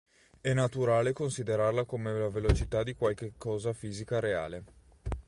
È naturale considerarla come la velocità di qualche cosa fisica reale.